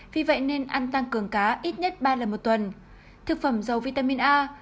vì vậy nên ăn tăng cường cá ít nhất ba lần một tuần